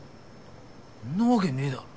んなわけねぇだろ。